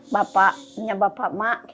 bapaknya bapak mak